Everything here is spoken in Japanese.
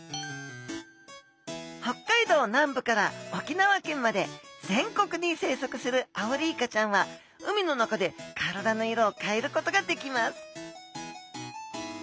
北海道南部から沖縄県まで全国に生息するアオリイカちゃんは海の中で体の色を変えることができます